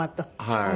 はい。